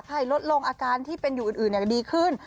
ลดลงอาการที่เป็นอยู่อื่นก็ดีขึ้น